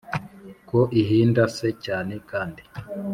Ko ihinda se cyane kandi